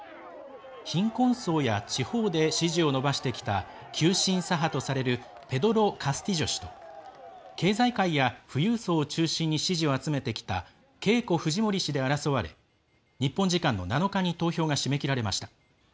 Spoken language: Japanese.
貧困層や地方で支持を伸ばしてきた急進左派とされるペドロ・カスティジョ氏と経済界や富裕層を中心に支持を集めてきたケイコ・フジモリ氏で争われ日本時間の７日に投票が締め切られました。